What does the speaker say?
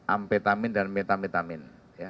amphetamin dan metametamin